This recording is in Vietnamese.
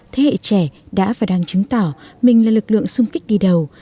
thế hệ trẻ đã và đang chứng tỏ mình là lực lượng xung kích đi đầu